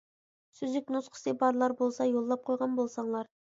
سۈزۈك نۇسخىسى بارلار بولسا يوللاپ قويغان بولساڭلار.